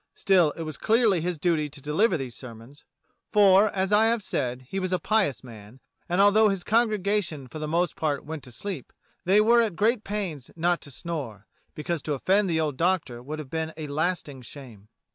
Still, it was clearly his duty to deliver these sermons, for, as I have said, he was a pious man, and although his congregation for the most part went to sleep, they were at great pains not to snore, because to offend the old Doctor would have been a lasting shame.